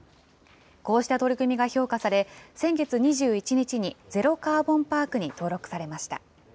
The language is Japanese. こうした取り組みが評価され、先月２１日にゼロカーボンパークに登録されました。